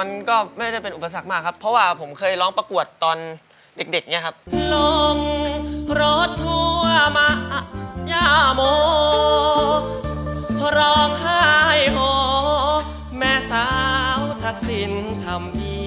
มันก็ไม่ได้เป็นอุปสรรคมากครับเพราะว่าผมเคยร้องประกวดตอนเด็กเนี่ยครับ